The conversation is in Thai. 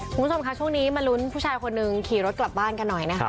คุณผู้ชมค่ะช่วงนี้มาลุ้นผู้ชายคนหนึ่งขี่รถกลับบ้านกันหน่อยนะคะ